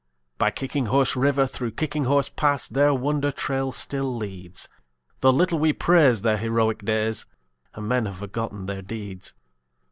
By Kicking Horse River, through Kicking Horse Pass, Their wonder trail still leads, Though little we praise their heroic days And men have forgotten their deeds.